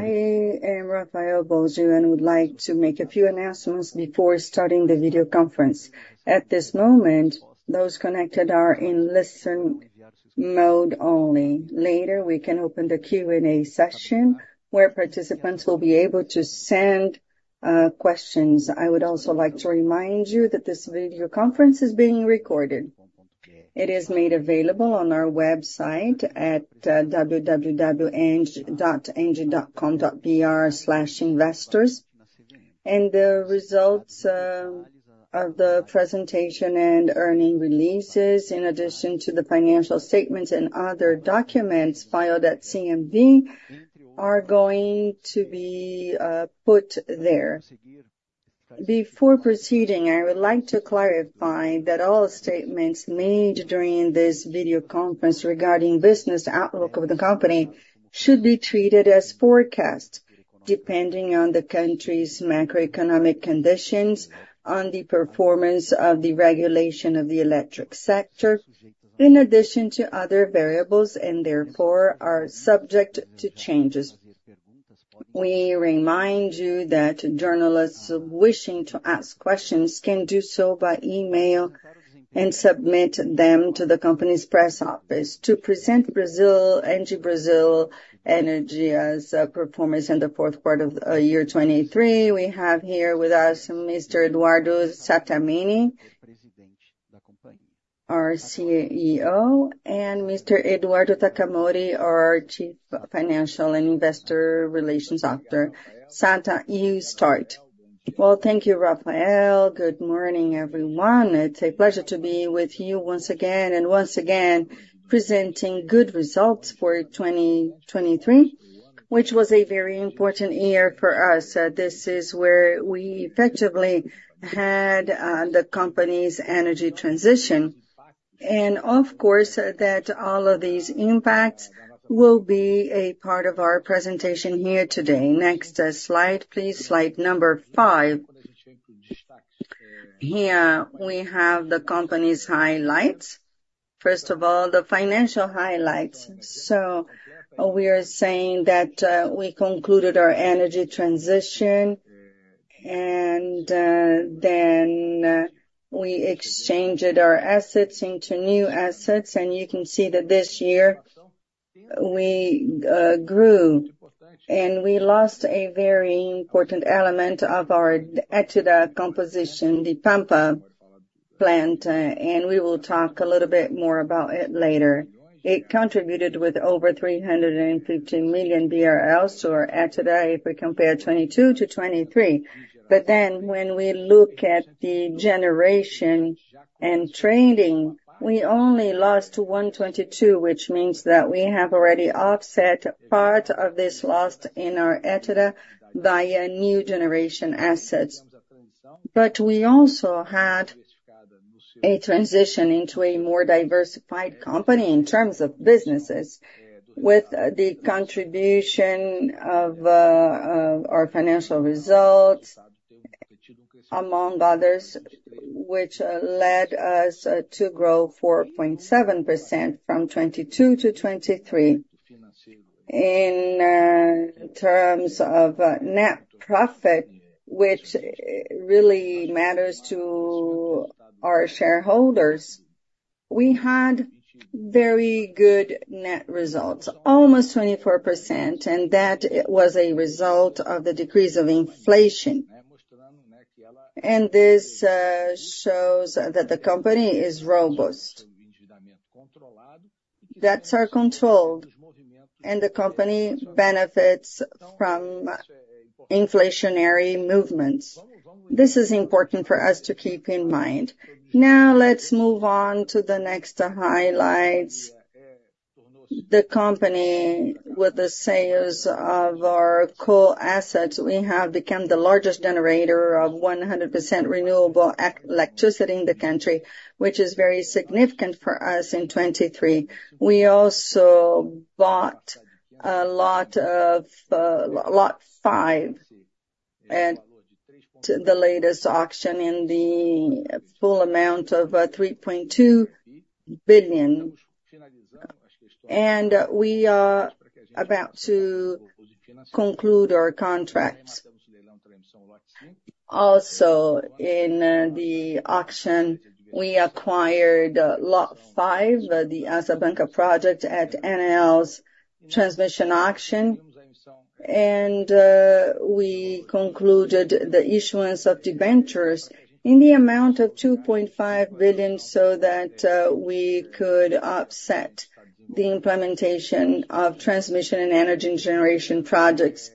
I am Rafael Bósio and would like to make a few announcements before starting the video conference. At this moment, those connected are in listen mode only. Later we can open the Q&A session where participants will be able to send questions. I would also like to remind you that this video conference is being recorded. It is made available on our website at www.engie.com.br/investors, and the results of the presentation and earnings releases, in addition to the financial statements and other documents filed at CVM, are going to be put there. Before proceeding, I would like to clarify that all statements made during this video conference regarding business outlook of the company should be treated as forecasts, depending on the country's macroeconomic conditions, on the performance of the regulation of the electric sector, in addition to other variables, and therefore are subject to changes. We remind you that journalists wishing to ask questions can do so by email and submit them to the company's press office. To present, Brazil, ENGIE Brasil Energia's performance in the fourth quarter of 2023, we have here with us Mr. Eduardo Sattamini, our CEO, and Mr. Eduardo Takamori, our Chief Financial and Investor Relations Officer. Satta, you start. Well, thank you, Rafael. Good morning, everyone. It's a pleasure to be with you once again, and once again, presenting good results for 2023, which was a very important year for us. This is where we effectively had the company's energy transition, and of course that all of these impacts will be a part of our presentation here today. Next slide, please, slide number 5. Here we have the company's highlights. First of all, the financial highlights. We are saying that we concluded our energy transition, and then we exchanged our assets into new assets, and you can see that this year we grew, and we lost a very important element of our EBITDA composition, the Pampa plant, and we will talk a little bit more about it later. It contributed with over 315 million BRL to our EBITDA if we compare 2022 to 2023, but then when we look at the generation and trading, we only lost 122 million, which means that we have already offset part of this loss in our EBITDA via new generation assets. But we also had a transition into a more diversified company in terms of businesses, with the contribution of our financial results, among others, which led us to grow 4.7% from 2022 to 2023. In terms of net profit, which really matters to our shareholders, we had very good net results, almost 24%, and that was a result of the decrease of inflation. This shows that the company is robust. That's our control, and the company benefits from inflationary movements. This is important for us to keep in mind. Now let's move on to the next highlights. The company, with the sales of our coal assets, we have become the largest generator of 100% renewable electricity in the country, which is very significant for us in 2023. We also bought Lot 5 at the latest auction in the full amount of 3.2 billion, and we are about to conclude our contracts. Also in the auction, we acquired Lot 5, the Asa Branca project, at ANEEL's transmission auction, and we concluded the issuance of debentures in the amount of 2.5 billion so that we could offset the implementation of transmission and energy generation projects.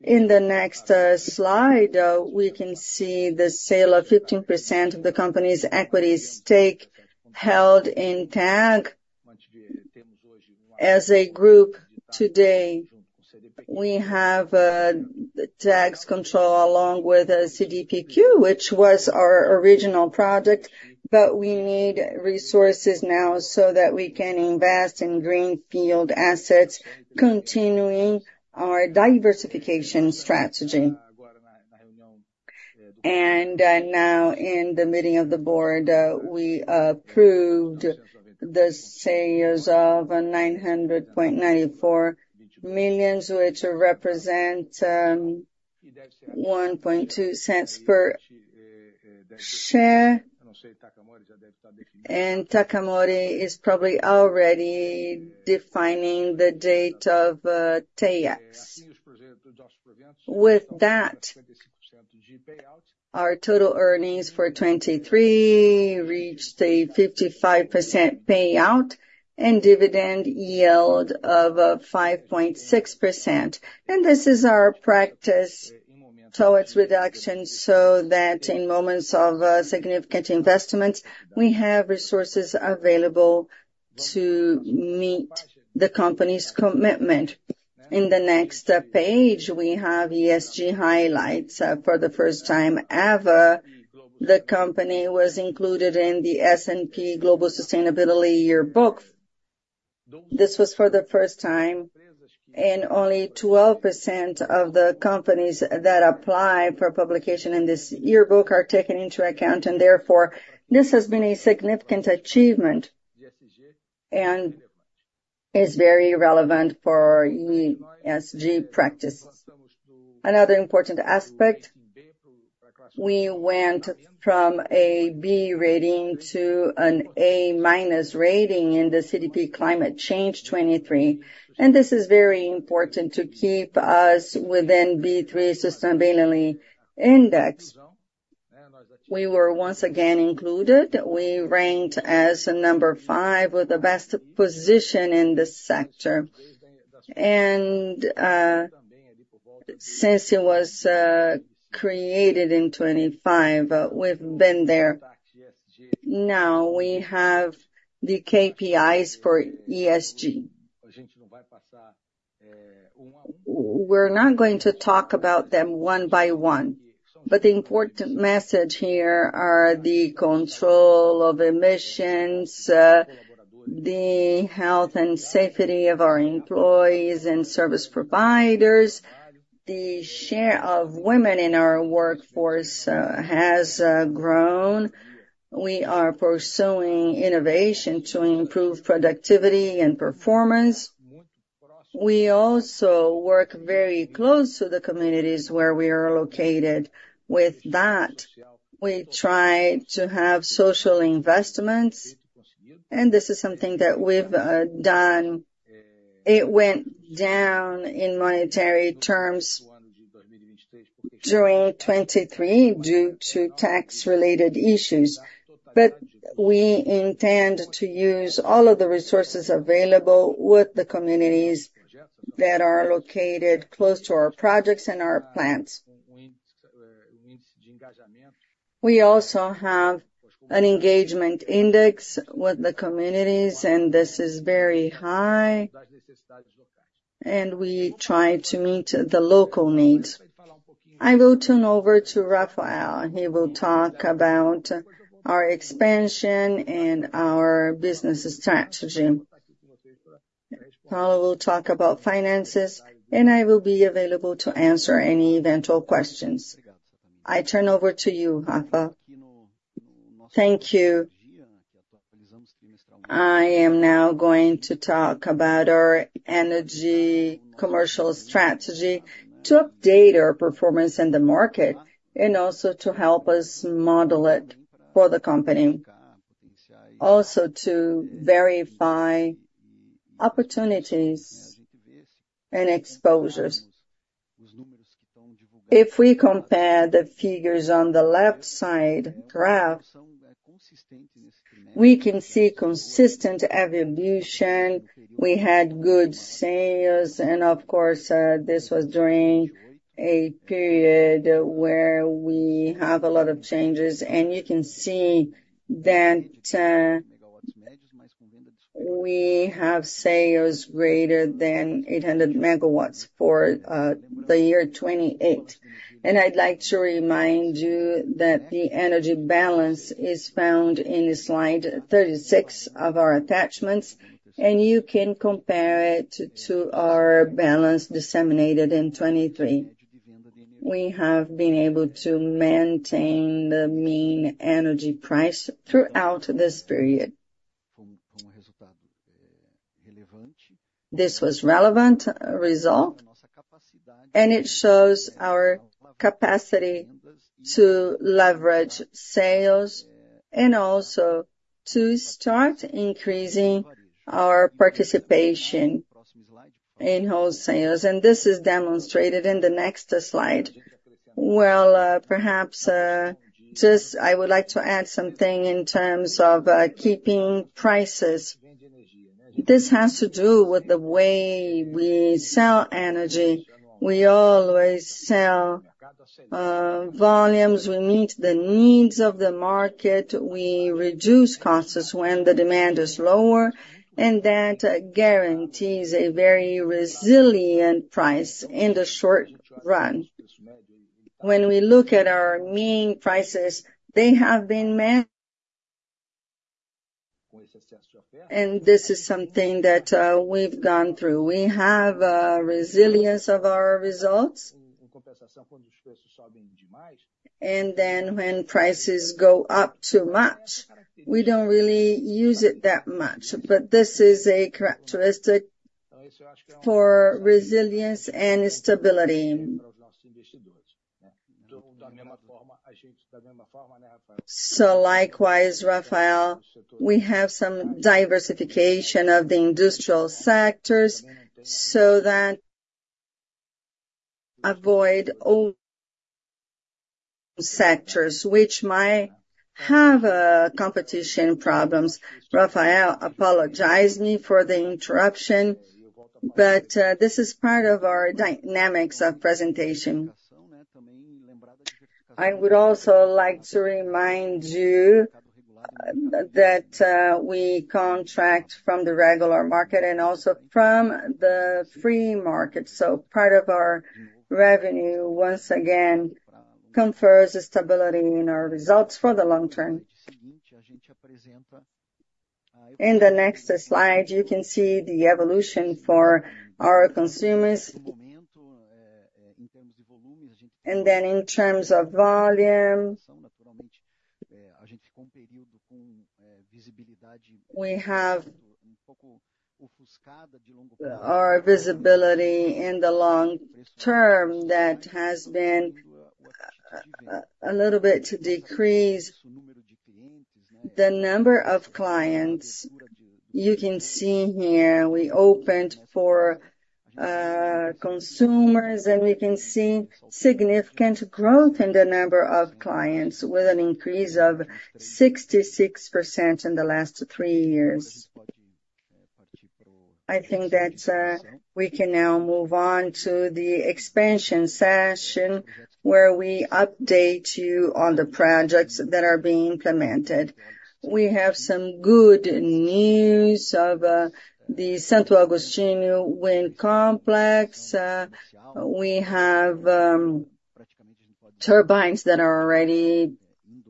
In the next slide, we can see the sale of 15% of the company's equity stake held in TAG as a group today. We have the stake control along with CDPQ, which was our original project, but we need resources now so that we can invest in greenfield assets, continuing our diversification strategy. Now in the meeting of the board, we approved the sales of 900.94 million, which represent 1.2 cents per share, and Takamori is probably already defining the date of ex. With that, our total earnings for 2023 reached a 55% payout and dividend yield of 5.6%, and this is our practice towards reduction so that in moments of significant investments, we have resources available to meet the company's commitment. In the next page, we have ESG highlights. For the first time ever, the company was included in the S&P Global Sustainability Yearbook. This was for the first time, and only 12% of the companies that apply for publication in this yearbook are taken into account, and therefore this has been a significant achievement and is very relevant for ESG practices. Another important aspect, we went from a B rating to an A-rating in the CDP Climate Change 2023, and this is very important to keep us within B3 Sustainability Index. We were once again included. We ranked as number 5 with the best position in the sector, and since it was created in 2025, we've been there. Now we have the KPIs for ESG. We're not going to talk about them one by one, but the important message here are the control of emissions, the health and safety of our employees and service providers. The share of women in our workforce has grown. We are pursuing innovation to improve productivity and performance. We also work very close to the communities where we are located. With that, we try to have social investments, and this is something that we've done. It went down in monetary terms during 2023 due to tax-related issues, but we intend to use all of the resources available with the communities that are located close to our projects and our plants. We also have an engagement index with the communities, and this is very high, and we try to meet the local needs. I will turn over to Rafael. He will talk about our expansion and our business strategy. Paulo will talk about finances, and I will be available to answer any eventual questions. I turn over to you, Rafa. Thank you. I am now going to talk about our energy commercial strategy to update our performance in the market and also to help us model it for the company, also to verify opportunities and exposures. If we compare the figures on the left side graph, we can see consistent evolution. We had good sales, and of course, this was during a period where we have a lot of changes, and you can see that, we have sales greater than 800 MW for the year 2028. I'd like to remind you that the energy balance is found in slide 36 of our attachments, and you can compare it to our balance disseminated in 2023. We have been able to maintain the mean energy price throughout this period. This was relevant result, and it shows our capacity to leverage sales and also to start increasing our participation in wholesales, and this is demonstrated in the next slide. Well, perhaps just I would like to add something in terms of keeping prices. This has to do with the way we sell energy. We always sell volumes. We meet the needs of the market. We reduce costs when the demand is lower, and that guarantees a very resilient price in the short run. When we look at our mean prices, they have been measured, and this is something that we've gone through. We have resilience of our results, and then when prices go up too much, we don't really use it that much, but this is a characteristic for resilience and stability. So likewise, Rafael, we have some diversification of the industrial sectors so that avoid old sectors, which might have competition problems. Rafael, I apologize for the interruption, but this is part of our dynamics of presentation. I would also like to remind you that we contract from the regulated market and also from the free market, so part of our revenue once again confers stability in our results for the long term. In the next slide, you can see the evolution for our consumers, and then in terms of volume, a gente ficou período com visibilidade pouco ofuscada de longo prazo. Our visibility in the long term that has been a little bit decreased. The number of clients, you can see here, we opened for consumers, and we can see significant growth in the number of clients with an increase of 66% in the last three years. I think that we can now move on to the expansion section where we update you on the projects that are being implemented. We have some good news of the Santo Agostinho Wind Complex. We have turbines that are already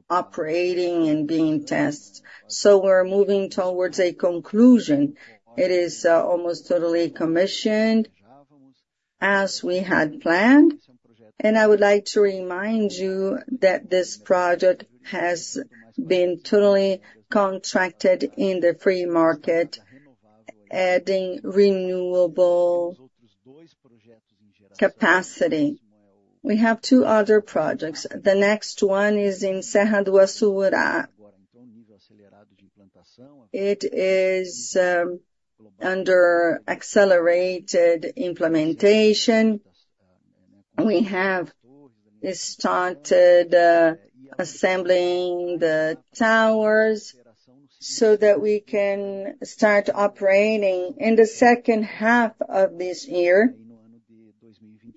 operating and being tested, so we're moving towards a conclusion. It is almost totally commissioned as we had planned, and I would like to remind you that this project has been totally contracted in the free market, adding renewable capacity. We have two other projects. The next one is in Serra do Assuruá. It is under accelerated implementation. We have started assembling the towers so that we can start operating in the second half of this year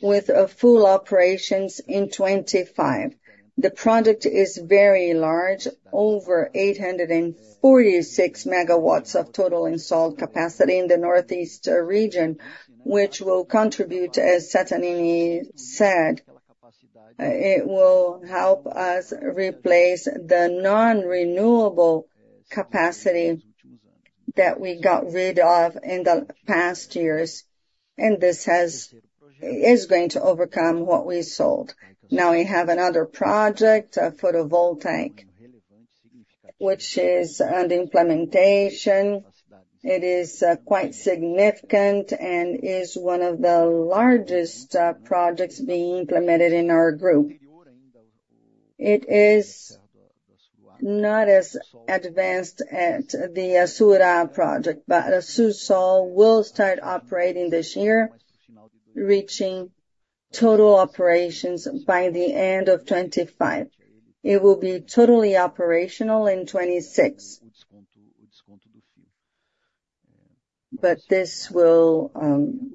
with full operations in 2025. The project is very large, over 846 MW of total installed capacity in the northeast region, which will contribute, as Sattamini said, it will help us replace the non-renewable capacity that we got rid of in the past years, and this is going to overcome what we sold. Now we have another project, a photovoltaic, which is under implementation. It is quite significant and is one of the largest projects being implemented in our group. It is not as advanced as the Assú project, but Assú will start operating this year, reaching total operations by the end of 2025. It will be totally operational in 2026, but this will,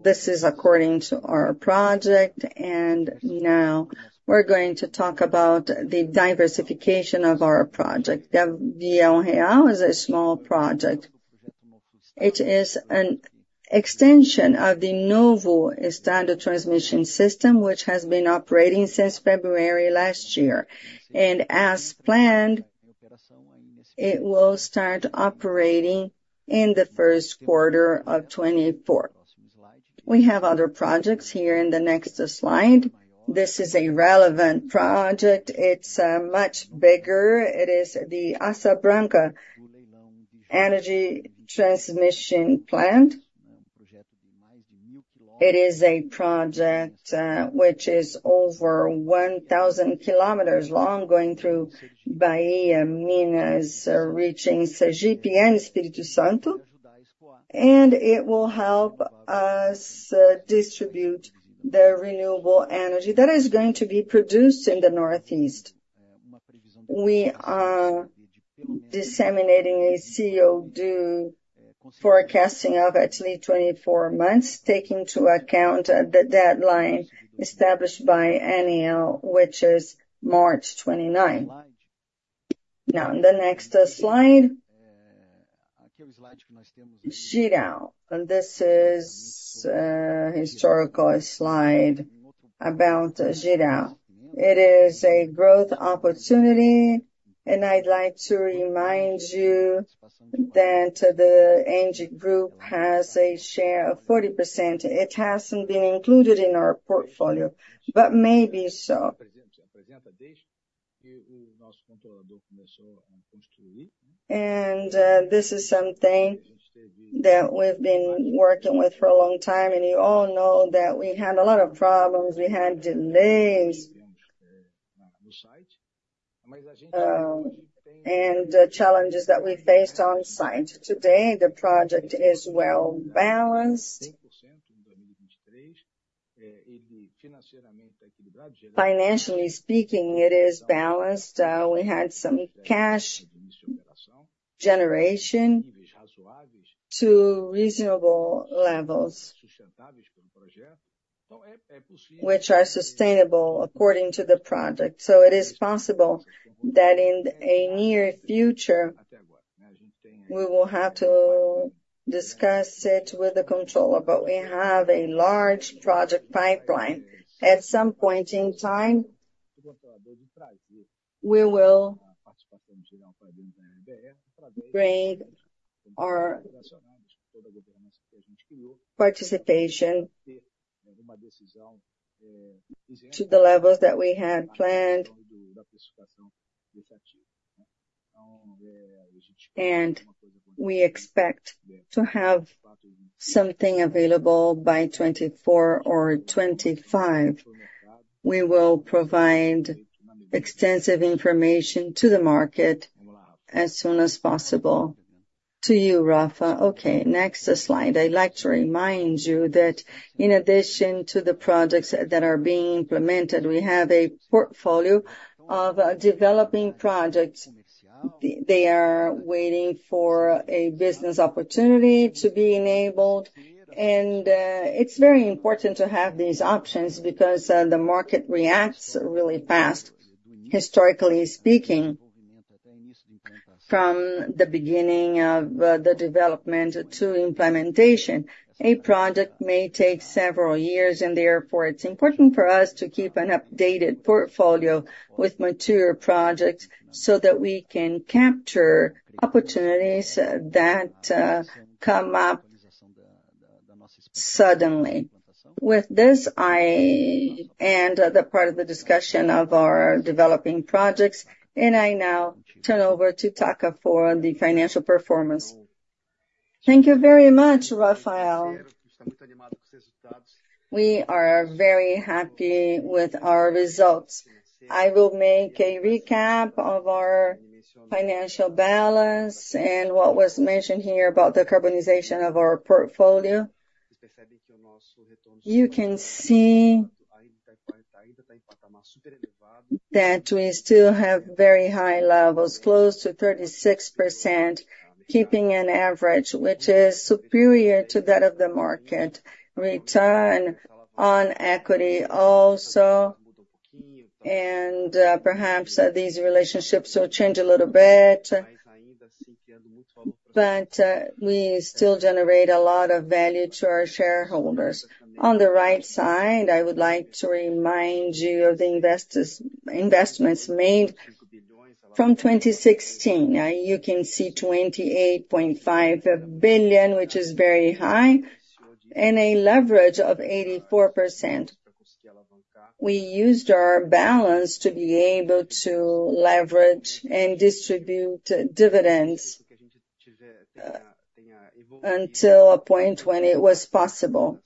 this is according to our project, and now we're going to talk about the diversification of our project. The Gavião Real is a small project. It is an extension of the Novo Estado Transmission System, which has been operating since February last year, and as planned, it will start operating in the first quarter of 2024. We have other projects here in the next slide. This is a relevant project. It's much bigger. It is the Asa Branca Transmission System. It is a project which is over 1,000 kilometers long, going through Bahia, Minas Gerais, and Espírito Santo, and it will help us distribute the renewable energy that is going to be produced in the northeast. We are disseminating a CO2 forecasting of at least 24 months, taking into account the deadline established by ANEEL, which is March 29. Now, in the next slide, Jirau, and this is a historical slide about Jirau. It is a growth opportunity, and I'd like to remind you that the ENGIE Group has a share of 40%. It hasn't been included in our portfolio, but maybe so. This is something that we've been working with for a long time, and you all know that we had a lot of problems. We had delays, and the challenges that we faced on site. Today, the project is well balanced. Financially speaking, it is balanced. We had some cash generation to reasonable levels, which are sustainable according to the project. So it is possible that in a near future, we will have to discuss it with the controller, but we have a large project pipeline. At some point in time, we will participate in the levels that we had planned for the market. We will provide extensive information to the market as soon as possible. To you, Rafa. Okay. Next slide. I'd like to remind you that in addition to the projects that are being implemented, we have a portfolio of developing projects. They are waiting for a business opportunity to be enabled, and it's very important to have these options because the market reacts really fast, historically speaking, from the beginning of the development to implementation. A project may take several years, and therefore it's important for us to keep an updated portfolio with mature projects so that we can capture opportunities that come up suddenly. With this, I end the part of the discussion of our developing projects, and I now turn over to Taka for the financial performance. Thank you very much, Rafael. We are very happy with our results. I will make a recap of our financial balance and what was mentioned here about the decarbonization of our portfolio. You can see that we still have very high levels, close to 36%, keeping an average, which is superior to that of the market. Return on equity also, and, perhaps these relationships will change a little bit, but, we still generate a lot of value to our shareholders. On the right side, I would like to remind you of the investments made from 2016. You can see 28.5 billion, which is very high, and a leverage of 84%. We used our balance to be able to leverage and distribute dividends until a point when it was possible.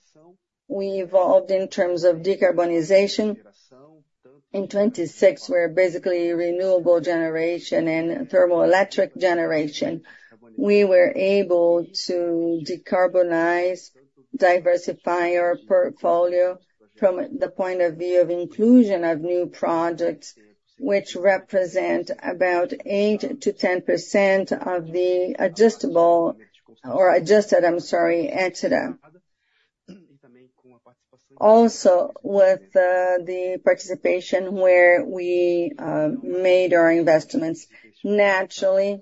We evolved in terms of decarbonization. In 2026, we're basically renewable generation and thermoelectric generation. We were able to decarbonize, diversify our portfolio from the point of view of inclusion of new projects, which represent about 8%-10% of the adjustable or adjusted, I'm sorry, EBITDA. Also with the participation where we, made our investments naturally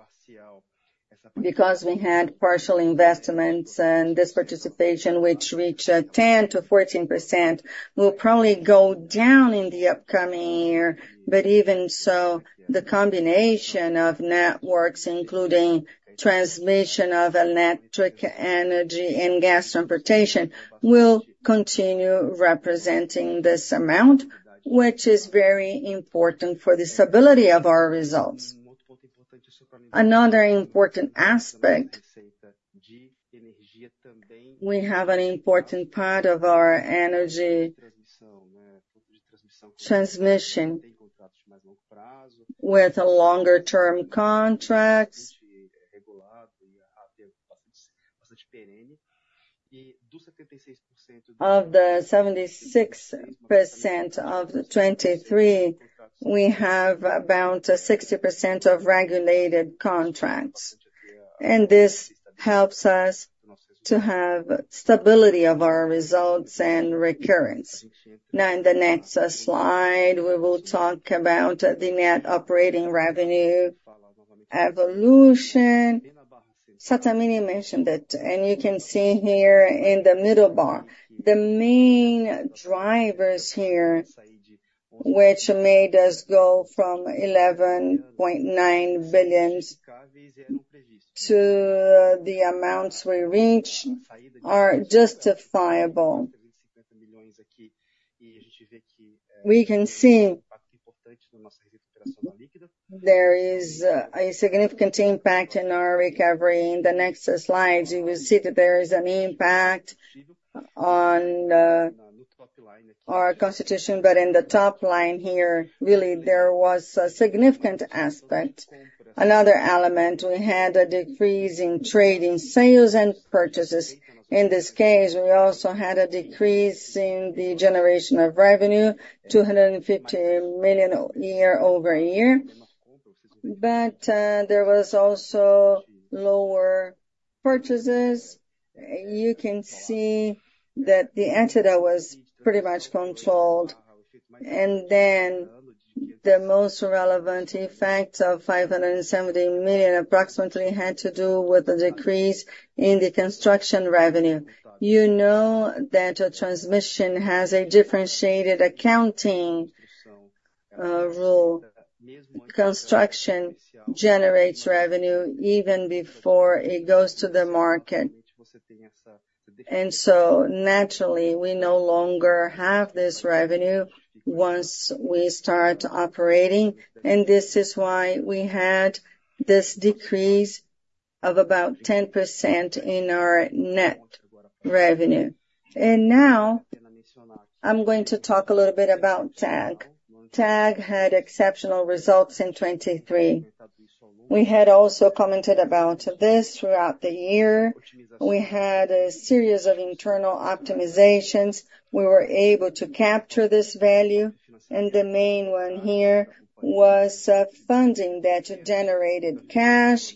because we had partial investments and this participation, which reached 10%-14%, will probably go down in the upcoming year, but even so, the combination of networks, including transmission of electric energy and gas transportation, will continue representing this amount, which is very important for the stability of our results. Another important aspect, we have an important part of our energy transmission with longer-term contracts of the 76% of 2023, we have about 60% of regulated contracts, and this helps us to have stability of our results and recurrence. Now, in the next slide, we will talk about the net operating revenue evolution. Sattamini mentioned it, and you can see here in the middle bar the main drivers here, which made us go from 11.9 billion to the amounts we reached, are justifiable. We can see there is a significant impact in our recovery. In the next slide, you will see that there is an impact on our contribution, but in the top line here, really, there was a significant aspect. Another element, we had a decrease in trading sales and purchases. In this case, we also had a decrease in the generation of revenue, 250 million year-over-year, but there was also lower purchases. You can see that the EBITDA was pretty much controlled, and then the most relevant effect of 570 million approximately had to do with a decrease in the construction revenue. You know that transmission has a differentiated accounting rule. Construction generates revenue even before it goes to the market, and so naturally, we no longer have this revenue once we start operating, and this is why we had this decrease of about 10% in our net revenue. Now, I'm going to talk a little bit about TAG. TAG had exceptional results in 2023. We had also commented about this throughout the year. We had a series of internal optimizations. We were able to capture this value, and the main one here was funding that generated cash,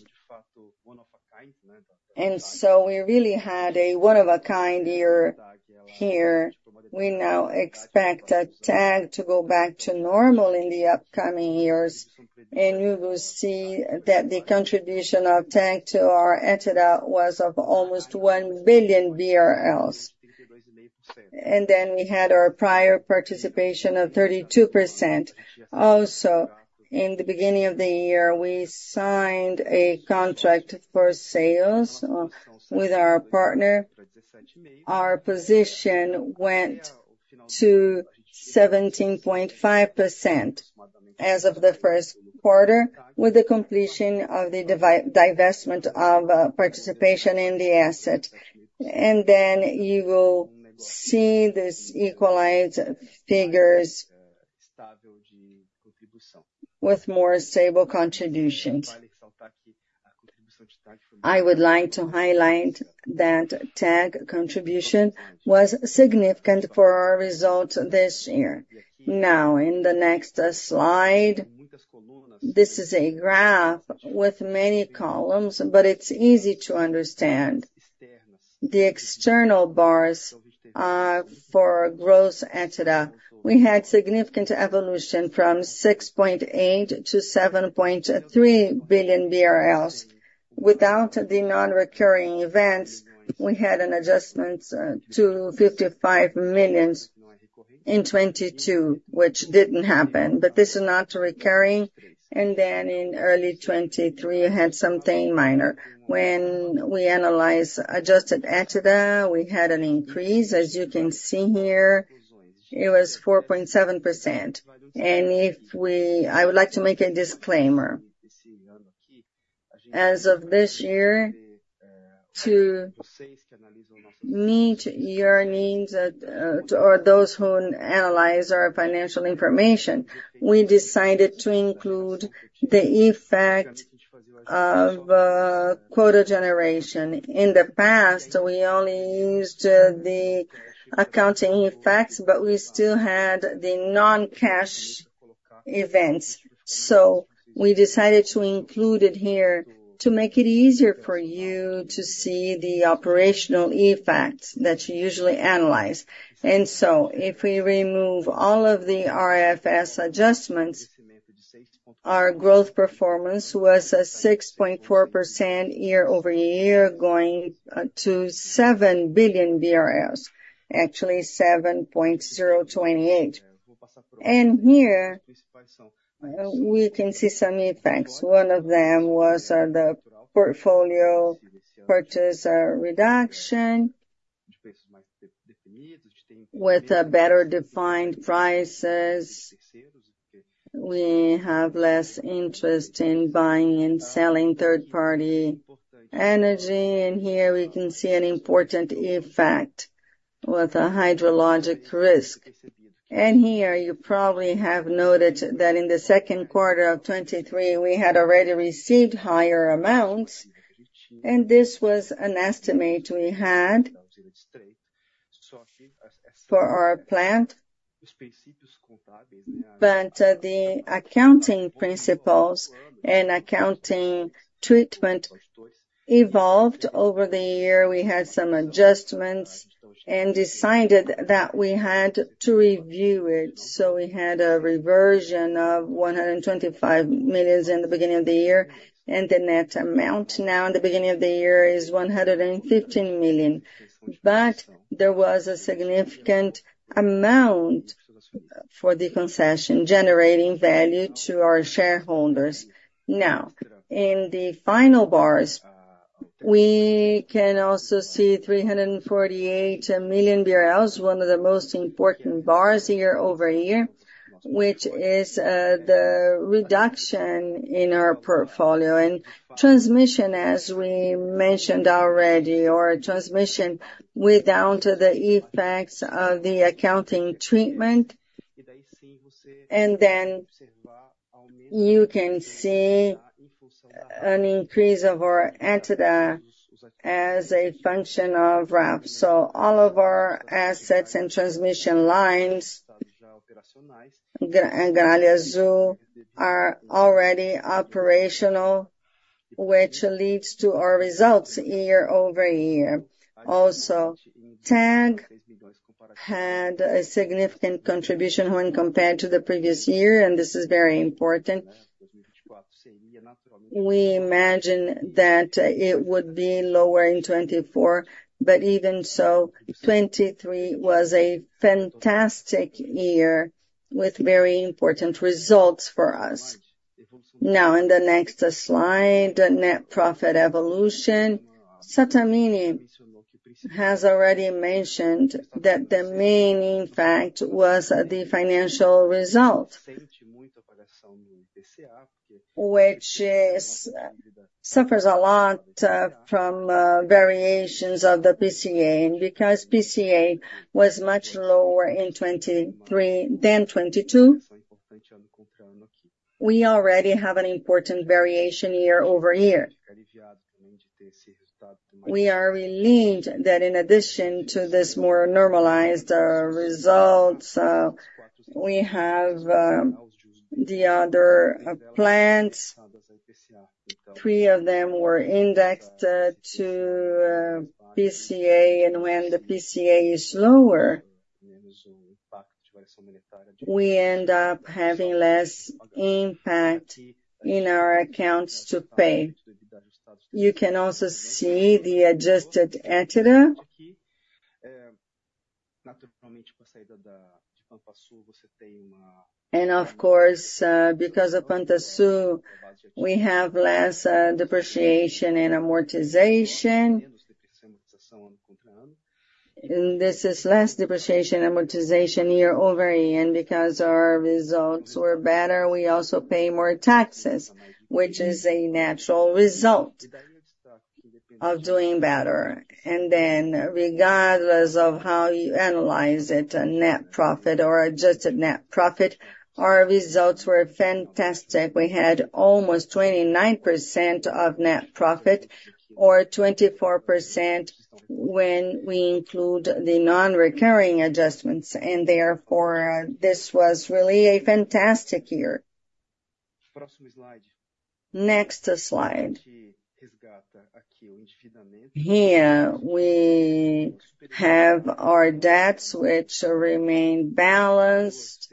and so we really had a one-of-a-kind year here. We now expect TAG to go back to normal in the upcoming years, and you will see that the contribution of TAG to our EBITDA was of almost 1 billion, and then we had our prior participation of 32%. Also, in the beginning of the year, we signed a contract for sales with our partner. Our position went to 17.5% as of the first quarter with the completion of the divestment of participation in the asset, and then you will see these equalized figures with more stable contributions. I would like to highlight that TAG contribution was significant for our results this year. Now, in the next slide, this is a graph with many columns, but it's easy to understand. The external bars are for gross EBITDA. We had significant evolution from 6.8 billion-7.3 billion BRL. Without the non-recurring events, we had an adjustment to 55 million in 2022, which didn't happen, but this is not recurring, and then in early 2023, you had something minor. When we analyzed adjusted EBITDA, we had an increase, as you can see here. It was 4.7%. And I would like to make a disclaimer. As of this year, to meet your needs or those who analyze our financial information, we decided to include the effect of quota generation. In the past, we only used the accounting effects, but we still had the non-cash events, so we decided to include it here to make it easier for you to see the operational effects that you usually analyze. So if we remove all of the IFRS adjustments, our growth performance was a 6.4% year-over-year going to 7 billion BRL, actually 7.028 billion. Here, we can see some effects. One of them was the portfolio purchase reduction with better defined prices. We have less interest in buying and selling third-party energy, and here we can see an important effect with a hydrologic risk. And here you probably have noted that in the second quarter of 2023, we had already received higher amounts, and this was an estimate we had for our plant, but the accounting principles and accounting treatment evolved over the year. We had some adjustments and decided that we had to review it, so we had a reversion of 125 million in the beginning of the year and the net amount. Now, in the beginning of the year is 115 million, but there was a significant amount for the concession generating value to our shareholders. Now, in the final bars, we can also see 348 million BRL, one of the most important bars year-over-year, which is the reduction in our portfolio and transmission, as we mentioned already, or transmission without the effects of the accounting treatment. Then you can see an increase of our EBITDA as a function of RAP, so all of our assets and transmission lines are already operational, which leads to our results year over year. Also, TAG had a significant contribution when compared to the previous year, and this is very important. We imagined that it would be lower in 2024, but even so, 2023 was a fantastic year with very important results for us. Now, in the next slide, net profit evolution. Sattamini has already mentioned that the main impact was the financial result, which suffers a lot from variations of the IPCA, and because IPCA was much lower in 2023 than 2022, we already have an important variation year over year. We are relieved that in addition to this more normalized result, we have the other plants. Three of them were indexed to IPCA, and when the IPCA is lower, we end up having less impact in our accounts to pay. You can also see the adjusted EBITDA. And of course, because of Pampa Sul, we have less depreciation and amortization, and this is less depreciation and amortization year over year, and because our results were better, we also pay more taxes, which is a natural result of doing better. And then regardless of how you analyze it, net profit or adjusted net profit, our results were fantastic. We had almost 29% of net profit or 24% when we include the non-recurring adjustments, and therefore, this was really a fantastic year. Next slide. Here, we have our debts, which remain balanced.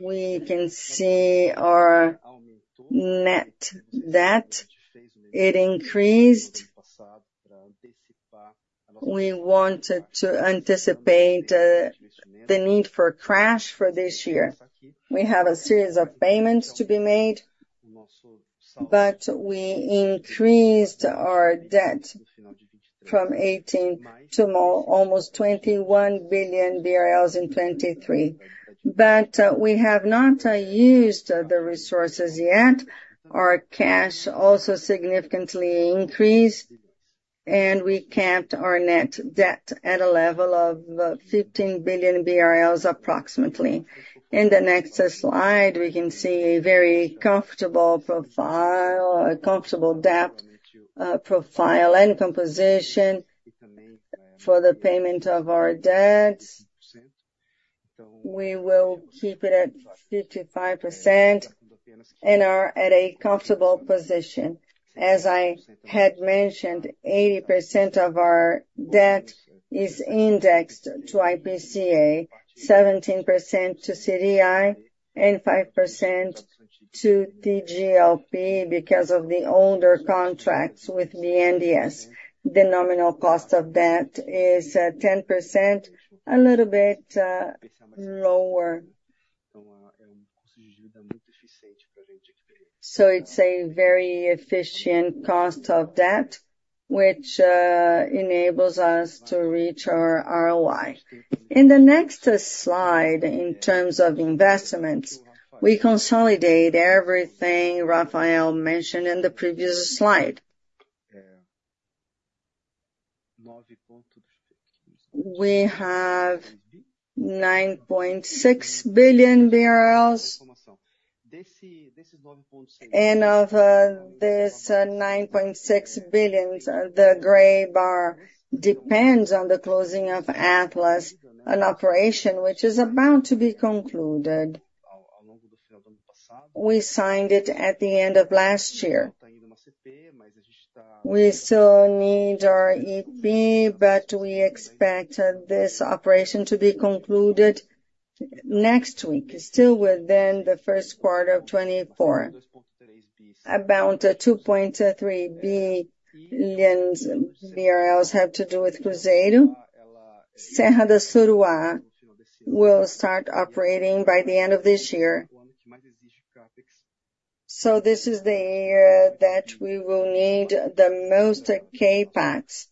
We can see our net debt. It increased. We wanted to anticipate the need for cash for this year. We have a series of payments to be made, but we increased our debt from 18 billion to almost 21 billion BRL in 2023, but we have not used the resources yet. Our cash also significantly increased, and we kept our net debt at a level of approximately 15 billion BRL. In the next slide, we can see a very comfortable profile, a comfortable debt profile and composition for the payment of our debts. We will keep it at 55% and are at a comfortable position. As I had mentioned, 80% of our debt is indexed to IPCA, 17% to CDI, and 5% to TJLP because of the older contracts with the BNDES. The nominal cost of debt is 10%, a little bit lower. So it's a very efficient cost of debt, which enables us to reach our ROI. In the next slide, in terms of investments, we consolidate everything Rafael mentioned in the previous slide. We have 9.6 billion BRL, and of this 9.6 billion, the gray bar depends on the closing of Atlas, an operation which is about to be concluded. We signed it at the end of last year. We still need our CP, but we expect this operation to be concluded next week, still within the first quarter of 2024. About 2.3 billion BRL have to do with Juazeiro. Serra do Assuruá will start operating by the end of this year, so this is the year that we will need the most CAPEX,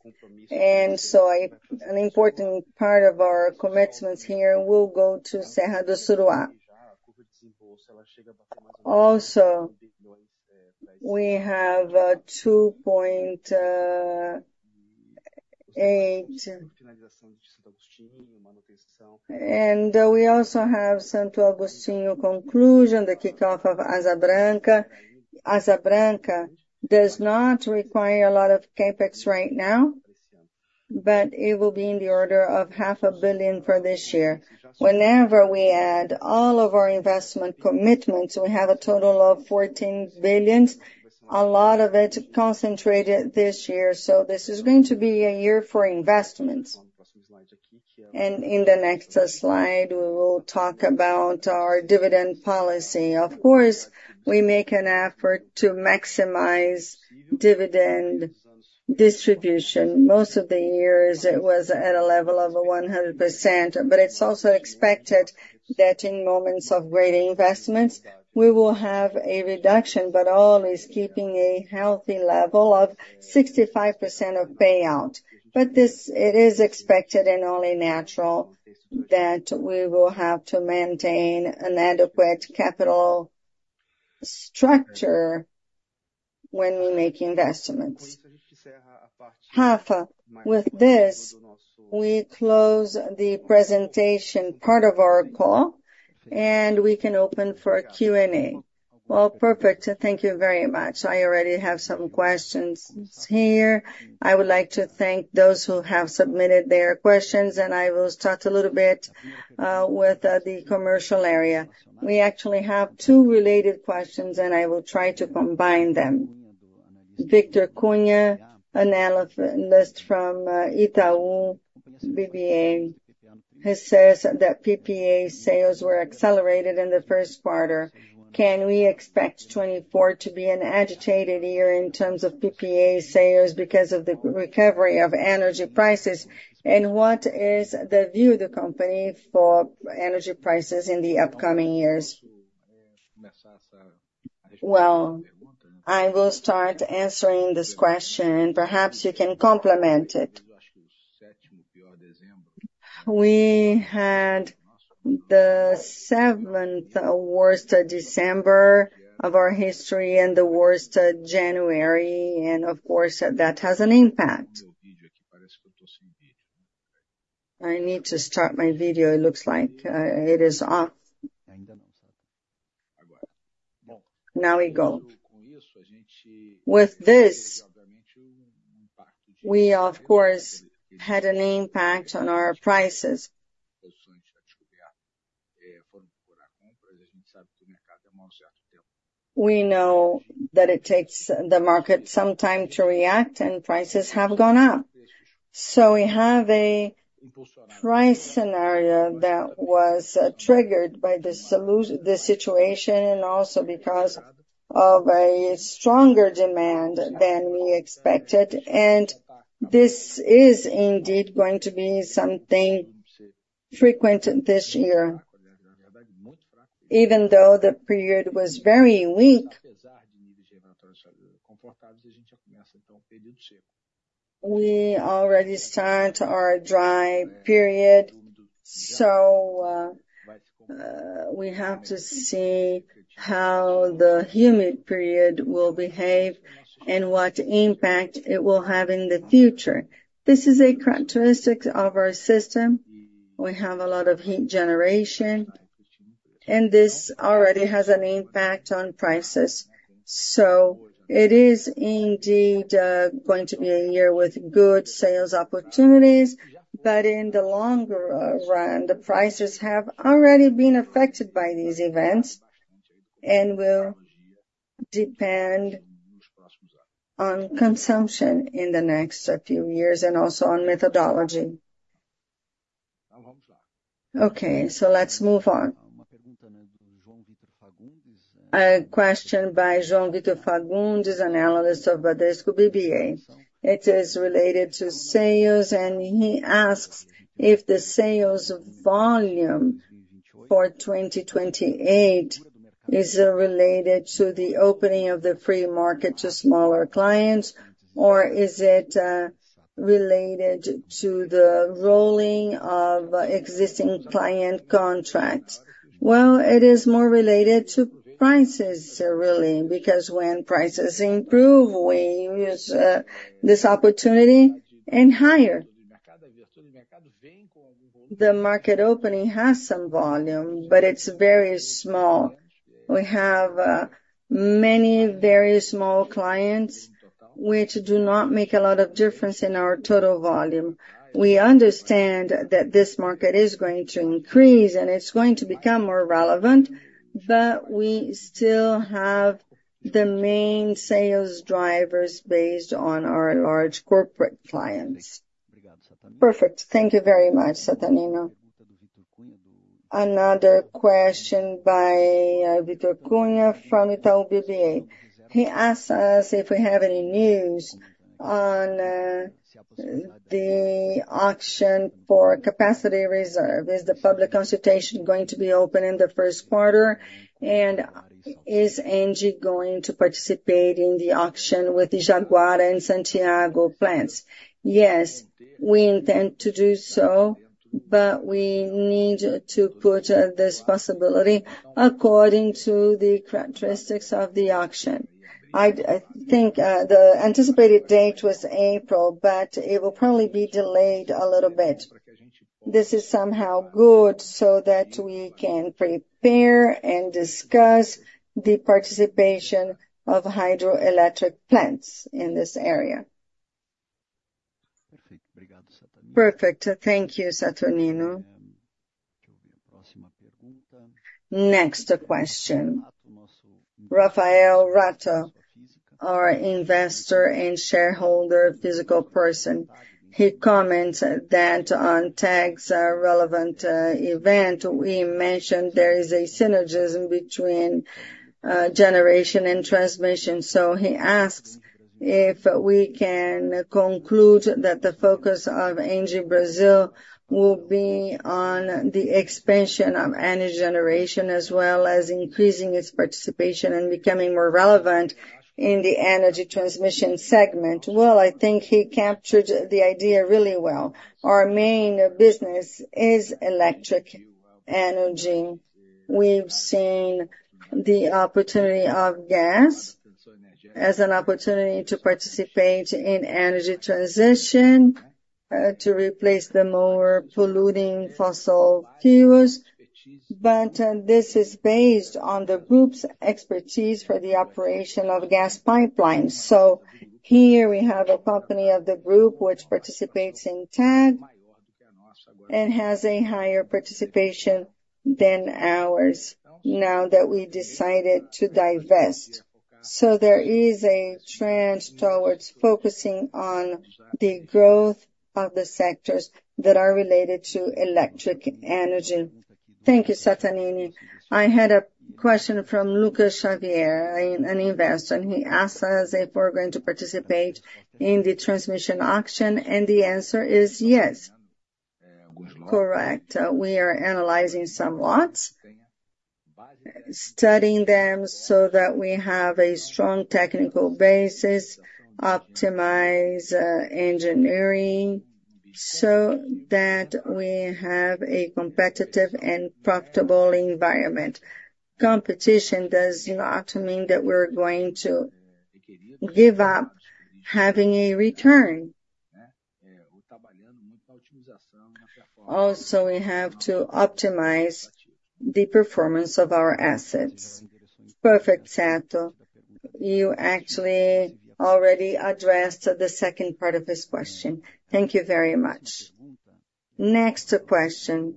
and so an important part of our commitments here will go to Serra do Assuruá. Also, we have BRL 2.8 billion. And we also have Santo Agostinho conclusion, the kickoff of Asa Branca. Asa Branca does not require a lot of CAPEX right now, but it will be in the order of 500 million for this year. Whenever we add all of our investment commitments, we have a total of 14 billion, a lot of it concentrated this year, so this is going to be a year for investments. In the next slide, we will talk about our dividend policy. Of course, we make an effort to maximize dividend distribution. Most of the years, it was at a level of 100%, but it's also expected that in moments of greater investments, we will have a reduction, but always keeping a healthy level of 65% of payout. It is expected and only natural that we will have to maintain an adequate capital structure when we make investments. Rafa, with this, we close the presentation part of our call, and we can open for Q&A. Well, perfect. Thank you very much. I already have some questions here. I would like to thank those who have submitted their questions, and I will start a little bit with the commercial area. We actually have two related questions, and I will try to combine them. Victor Cunha, analyst from Itaú BBA, he says that PPA sales were accelerated in the first quarter. Can we expect 2024 to be an agitated year in terms of PPA sales because of the recovery of energy prices, and what is the view of the company for energy prices in the upcoming years? Well, I will start answering this question. Perhaps you can complement it. We had the 7th worst December of our history and the worst January, and of course, that has an impact. I need to start my video. It looks like it is off. Now we go. With this, we, of course, had an impact on our prices. We know that it takes the market some time to react, and prices have gone up, so we have a price scenario that was triggered by the situation and also because of a stronger demand than we expected, and this is indeed going to be something frequent this year. Even though the period was very weak, we already start our dry period, so we have to see how the humid period will behave and what impact it will have in the future. This is a characteristic of our system. We have a lot of heat generation, and this already has an impact on prices, so it is indeed going to be a year with good sales opportunities, but in the longer run, the prices have already been affected by these events and will depend on consumption in the next few years and also on methodology. Okay, so let's move on. A question by João Vitor Fagundes, analyst of Bradesco BBI. It is related to sales, and he asks if the sales volume for 2028 is related to the opening of the free market to smaller clients, or is it related to the rolling of existing client contracts. Well, it is more related to prices, really, because when prices improve, we use this opportunity and hire. The market opening has some volume, but it's very small. We have many very small clients, which do not make a lot of difference in our total volume. We understand that this market is going to increase, and it's going to become more relevant, but we still have the main sales drivers based on our large corporate clients. Perfect. Thank you very much, Sattamini. Another question by Victor Cunha from Itaú BBA. He asks us if we have any news on the auction for capacity reserve. Is the public consultation going to be open in the first quarter, and is ENGIE going to participate in the auction with the Jaguara and Santiago plants? Yes, we intend to do so, but we need to put this possibility according to the characteristics of the auction. I think the anticipated date was April, but it will probably be delayed a little bit. This is somehow good so that we can prepare and discuss the participation of hydroelectric plants in this area. Perfect. Thank you, Sattamini. Next question. Rafael Rato, our investor and shareholder, physical person. He comments that on TAG's relevant event, we mentioned there is a synergism between generation and transmission, so he asks if we can conclude that the focus of ENGIE Brasil will be on the expansion of energy generation as well as increasing its participation and becoming more relevant in the energy transmission segment. Well, I think he captured the idea really well. Our main business is electric energy. We've seen the opportunity of gas as an opportunity to participate in energy transition to replace the more polluting fossil fuels, but this is based on the group's expertise for the operation of gas pipelines. So here we have a company of the group which participates in TAG and has a higher participation than ours now that we decided to divest. So there is a trend towards focusing on the growth of the sectors that are related to electric energy. Thank you, Sattamini. I had a question from Lucas Xavier, an investor. He asks us if we're going to participate in the transmission auction? And the answer is yes. Correct. We are analyzing some lots, studying them so that we have a strong technical basis, optimize engineering so that we have a competitive and profitable environment. Competition does not mean that we're going to give up having a return. Also, we have to optimize the performance of our assets. Perfect, Sattamini. You actually already addressed the second part of his question. Thank you very much. Next question.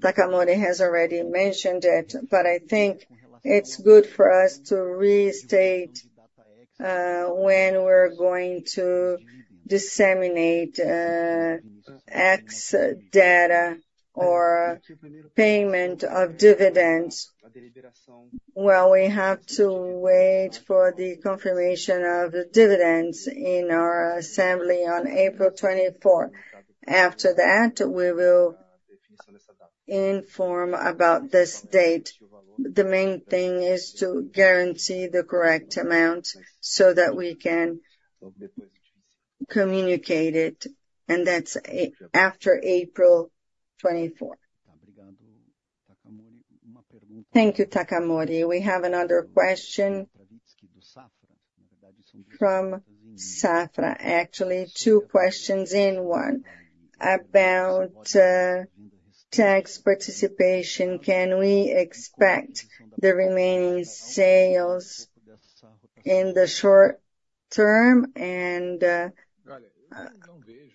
Takamori has already mentioned it, but I think it's good for us to restate when we're going to disseminate X data or payment of dividends. Well, we have to wait for the confirmation of dividends in our assembly on April 24. After that, we will inform about this date. The main thing is to guarantee the correct amount so that we can communicate it, and that's after April 24. Thank you, Takamori. We have another question from Safra. Actually, two questions in one about TAG's participation. Can we expect the remaining sales in the short term, and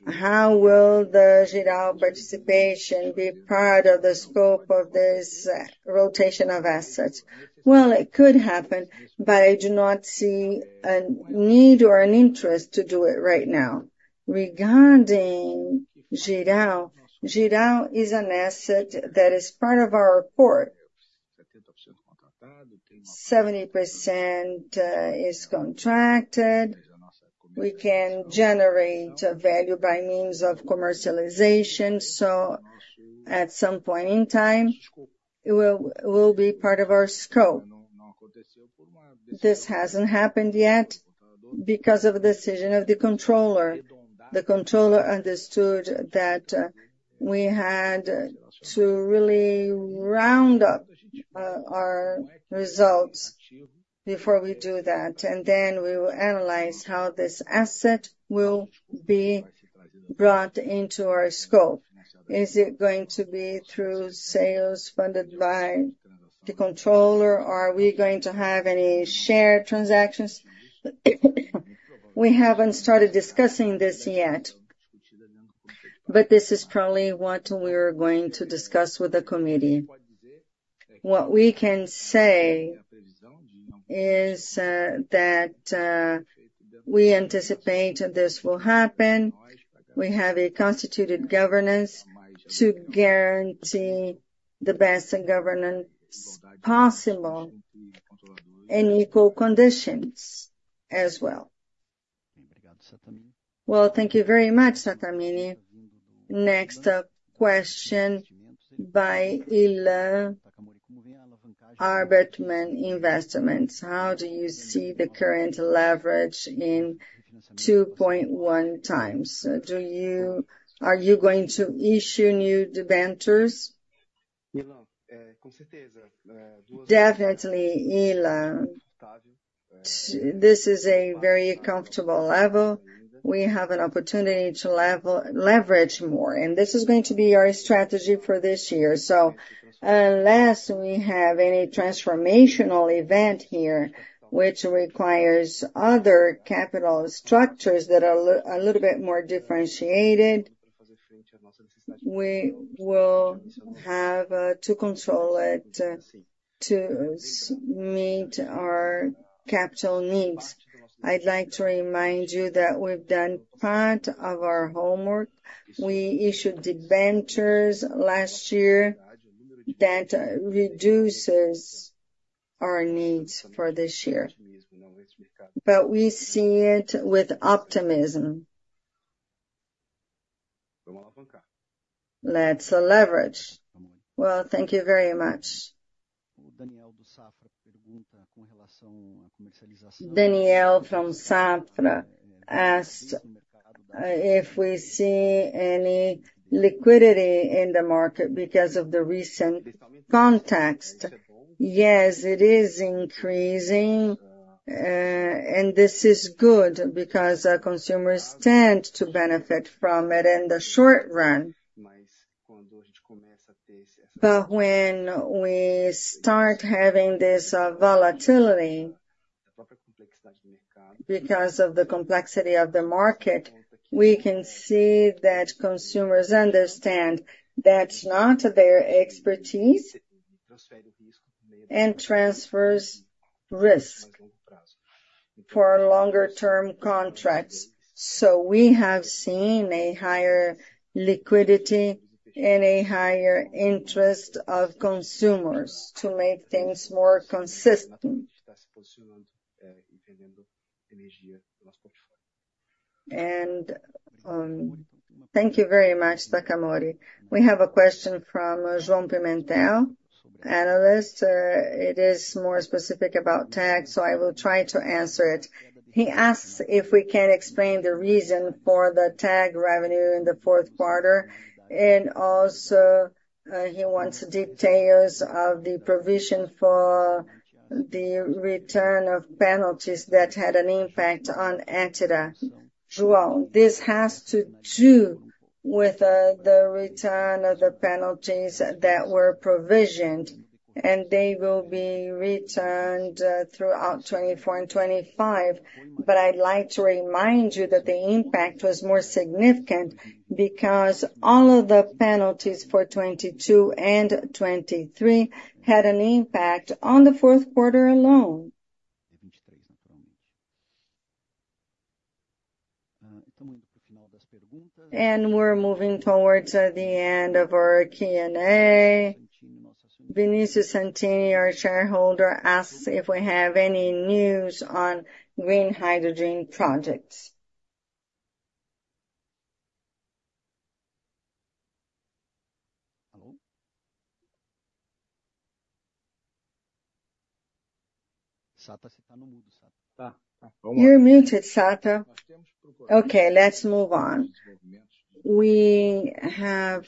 how will the Jirau participation be part of the scope of this rotation of assets? Well, it could happen, but I do not see a need or an interest to do it right now. Regarding Jirau, Jirau is an asset that is part of our portfolio. 70% is contracted. We can generate value by means of commercialization, so at some point in time, it will be part of our scope. This hasn't happened yet because of the decision of the controller. The controller understood that we had to really round up our results before we do that, and then we will analyze how this asset will be brought into our scope. Is it going to be through sales funded by the controller, or are we going to have any shared transactions? We haven't started discussing this yet, but this is probably what we're going to discuss with the committee. What we can say is that we anticipate this will happen. We have a constituted governance to guarantee the best governance possible in equal conditions as well. Well, thank you very much, Sattamini. Next question by Ativa Investimentos. How do you see the current leverage in 2.1 times? Are you going to issue new debentures? Definitely, Ilan. This is a very comfortable level. We have an opportunity to leverage more, and this is going to be our strategy for this year. So unless we have any transformational event here, which requires other capital structures that are a little bit more differentiated, we will have to control it to meet our capital needs. I'd like to remind you that we've done part of our homework. We issued debentures last year that reduces our needs for this year, but we see it with optimism. Let's leverage. Well, thank you very much. Daniel from Safra asked if we see any liquidity in the market because of the recent context. Yes, it is increasing, and this is good because consumers tend to benefit from it in the short run. But when we start having this volatility because of the complexity of the market, we can see that consumers understand that's not their expertise and transfers risk for longer-term contracts. So we have seen a higher liquidity and a higher interest of consumers to make things more consistent. And thank you very much, Takamori. We have a question from João Pimentel, analyst. It is more specific about TAG's, so I will try to answer it. He asks if we can explain the reason for the TAG revenue in the fourth quarter, and also he wants details of the provision for the return of penalties that had an impact on EBITDA. João, this has to do with the return of the penalties that were provisioned, and they will be returned throughout 2024 and 2025, but I'd like to remind you that the impact was more significant because all of the penalties for 2022 and 2023 had an impact on the fourth quarter alone. We're moving towards the end of our Q&A. Vinícius Santini, our shareholder, asks if we have any news on green hydrogen projects. Hello? Sata, você está no mudo, Sata. You're muted, Sata. Okay, let's move on. We have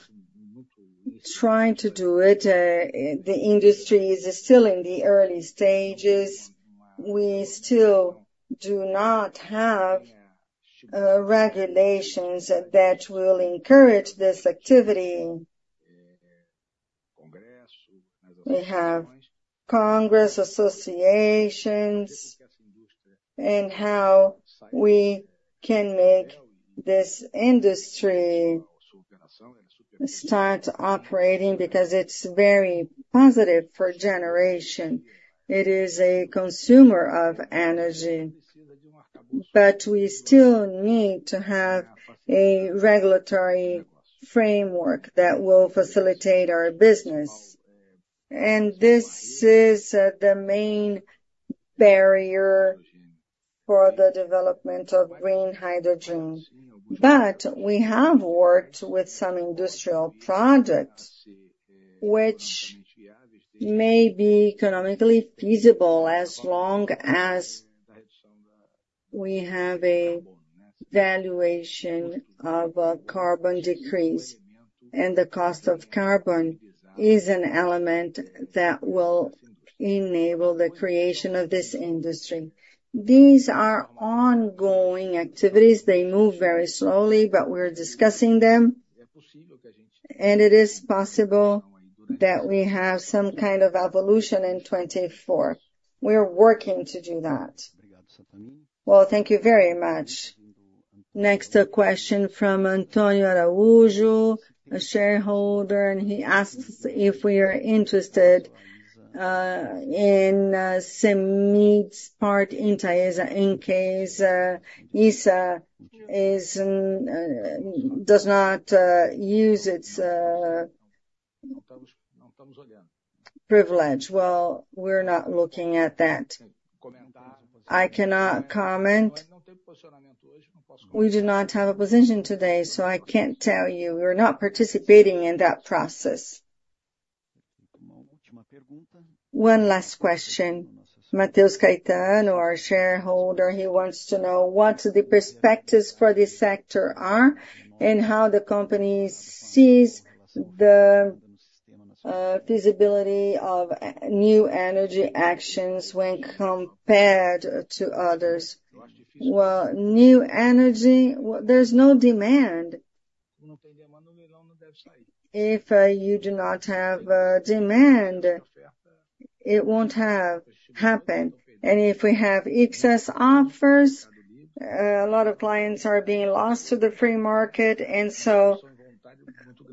tried to do it. The industry is still in the early stages. We still do not have regulations that will encourage this activity. We have Congress associations and how we can make this industry start operating because it's very positive for generation. It is a consumer of energy, but we still need to have a regulatory framework that will facilitate our business, and this is the main barrier for the development of green hydrogen. But we have worked with some industrial projects which may be economically feasible as long as we have a valuation of a carbon decrease, and the cost of carbon is an element that will enable the creation of this industry. These are ongoing activities. They move very slowly, but we're discussing them, and it is possible that we have some kind of evolution in 2024. We're working to do that. Well, thank you very much. Next question from Antônio Araújo, a shareholder, and he asks if we are interested in CEMIG's part in TAESA in case ISA does not use its privilege. Well, we're not looking at that. I cannot comment. We do not have a position today, so I can't tell you. We're not participating in that process. One last question. Mateus Caetano, our shareholder, he wants to know what the perspectives for this sector are and how the company sees the feasibility of new energy actions when compared to others. Well, new energy, there's no demand. If you do not have demand, it won't happen, and if we have excess offers, a lot of clients are being lost to the free market, and so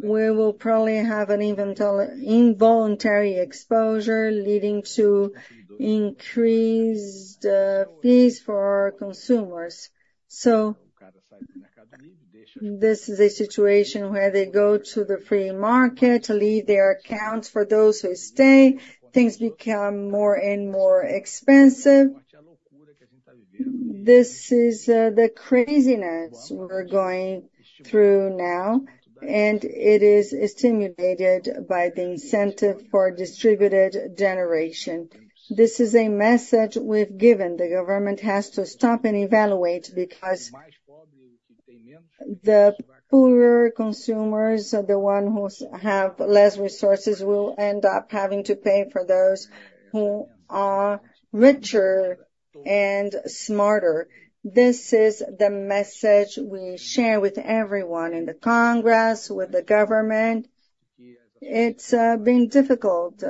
we will probably have an involuntary exposure leading to increased fees for our consumers. So this is a situation where they go to the free market, leave their accounts for those who stay. Things become more and more expensive. This is the craziness we're going through now, and it is stimulated by the incentive for distributed generation. This is a message we've given. The government has to stop and evaluate because the poorer consumers, the ones who have less resources, will end up having to pay for those who are richer and smarter. This is the message we share with everyone in the Congress, with the government. It's been difficult,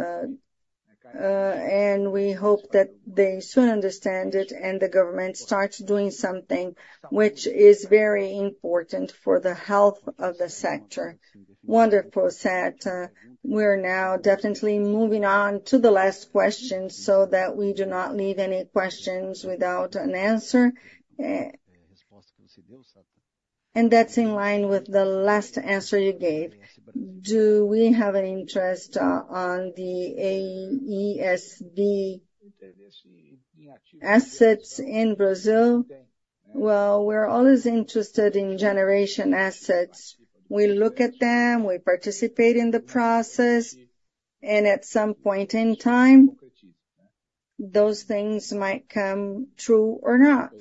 and we hope that they soon understand it and the government starts doing something which is very important for the health of the sector. Wonderful, Sato. We're now definitely moving on to the last question so that we do not leave any questions without an answer. That's in line with the last answer you gave. Do we have an interest on the AES Brasil assets in Brazil? Well, we're always interested in generation assets. We look at them. We participate in the process, and at some point in time, those things might come true or not.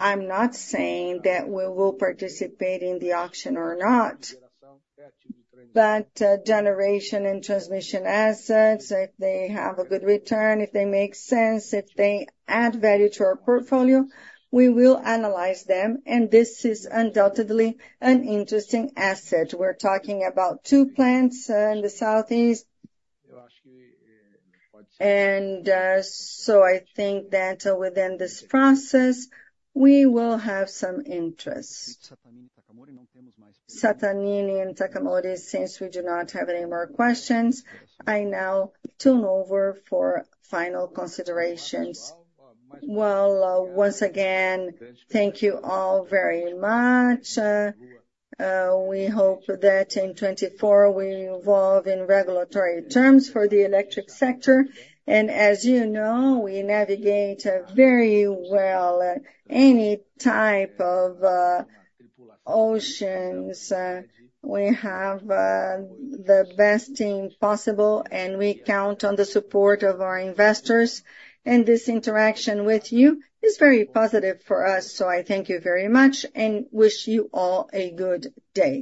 I'm not saying that we will participate in the auction or not, but generation and transmission assets, if they have a good return, if they make sense, if they add value to our portfolio, we will analyze them, and this is undoubtedly an interesting asset. We're talking about two plants in the southeast, and so I think that within this process, we will have some interest. Sattamini and Takamori, since we do not have any more questions, I now turn over for final considerations. Well, once again, thank you all very much. We hope that in 2024 we evolve in regulatory terms for the electric sector, and as you know, we navigate very well any type of oceans. We have the best team possible, and we count on the support of our investors, and this interaction with you is very positive for us, so I thank you very much and wish you all a good day.